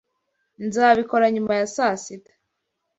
Nzabikora nyuma ya saa sita.